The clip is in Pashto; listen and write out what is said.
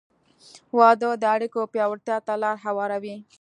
• واده د اړیکو پیاوړتیا ته لار هواروي.